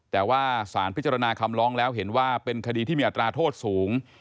แต่ว่าสารพิจารณาคำร้องแล้วเห็นว่าเป็นคดีที่มีอัตราโทษสูง